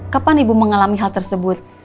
kapan ibu mengalami hal tersebut